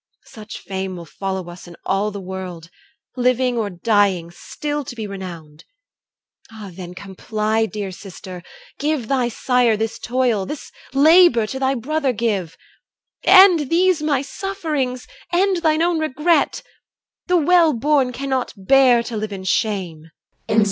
Such fame will follow us in all the world. Living or dying, still to be renowned. Ah, then, comply, dear sister; give thy sire This toil this labour to thy brother give; End these my sufferings, end thine own regret: The well born cannot bear to live in shame.